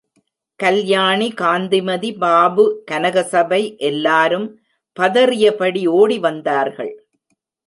கல்யாணி, காந்திமதி, பாபு, கனகசபை எல்லாரும் பதறியபடி ஓடி வந்தார்கள்.